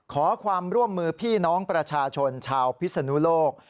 ขอความร่วมมือพี่น้องประชาชนชาวพิศนุโลก